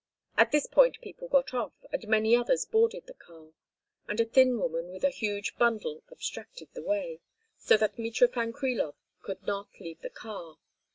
At this point people got off and many others boarded the car, and a thin woman with a huge bundle obstructed the way, so that Mitrofan Krilov could not leave the car.